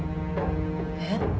えっ？